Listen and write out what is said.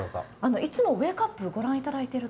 いつもウェークアップ、ご覧いただいてると？